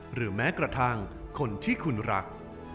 หรือแม้กระทั่งคนที่คุณรัก